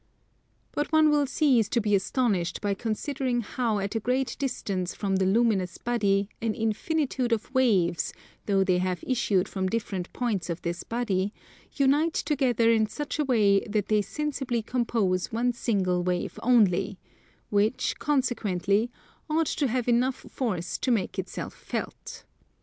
But one will cease to be astonished by considering how at a great distance from the luminous body an infinitude of waves, though they have issued from different points of this body, unite together in such a way that they sensibly compose one single wave only, which, consequently, ought to have enough force to make itself felt.